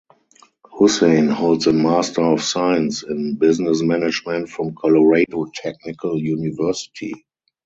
Hussain holds an Master of Science in Business Management from Colorado Technical University.